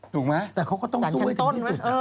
ถูกไหมศาลชั้นต้นแต่เขาก็ต้องสู้ไว้จริงที่สุด